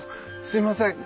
すいません。